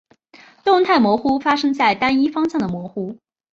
动态模糊发生在单一方向的模糊。